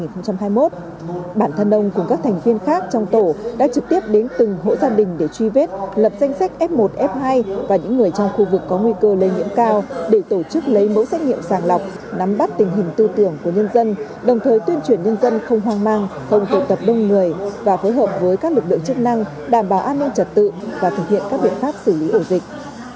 trong năm hai nghìn hai mươi một bản thân ông cùng các thành viên khác trong tổ đã trực tiếp đến từng hộ gia đình để truy vết lập danh sách f một f hai và những người trong khu vực có nguy cơ lây nhiễm cao để tổ chức lấy mẫu xét nghiệm sàng lọc nắm bắt tình hình tư tưởng của nhân dân đồng thời tuyên truyền nhân dân không hoang mang không tội tập đông người và phối hợp với các lực lượng chức năng đảm bảo an ninh trật tự và thực hiện các biện pháp xử lý ổ dịch